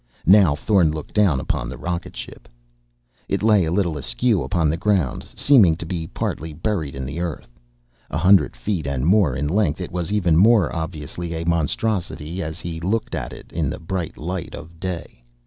Now Thorn looked down upon the rocket ship. It lay a little askew upon the ground, seeming to be partly buried in the earth. A hundred feet and more in length, it was even more obviously a monstrosity as he looked at it in the bright light of day.